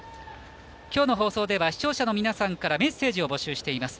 きょうの放送では視聴者の皆さんからメッセージを募集しています。